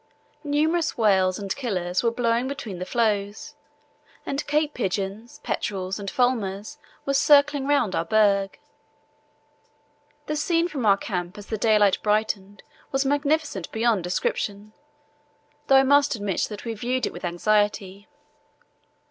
Numerous whales and killers were blowing between the floes, and Cape pigeons, petrels, and fulmars were circling round our berg. The scene from our camp as the daylight brightened was magnificent beyond description, though I must admit that we viewed it with anxiety.